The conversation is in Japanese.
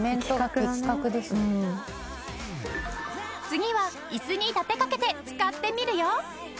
次は椅子に立てかけて使ってみるよ。